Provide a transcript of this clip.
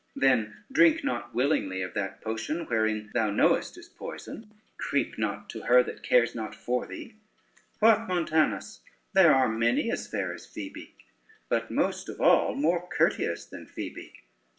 Then drink not willingly of that potion wherein thou knowest is poison; creep not to her that cares not for thee. What, Montanus, there are many as fair as Phoebe, but most of all more courteous than Phoebe.